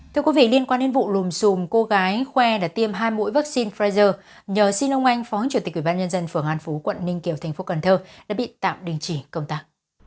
thưa quý vị liên quan đến vụ lùm xùm cô gái khoe đã tiêm hai mũi vaccine pfizer nhờ xin ông anh phó chủ tịch ubnd phường an phú quận ninh kiều tp cn đã bị tạm đình chỉ công tác